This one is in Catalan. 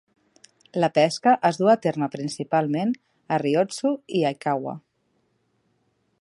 La pesca es duu a terme principalment a Ryotsu i Aikawa.